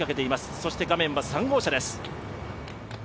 そして画面は３号車です。